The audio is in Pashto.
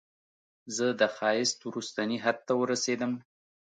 زه د ښایست وروستني حد ته ورسیدم